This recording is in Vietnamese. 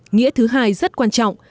nghĩa thứ hai rất quan trọng